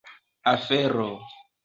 afero